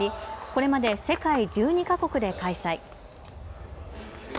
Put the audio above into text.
これまで世界１２か国で開催。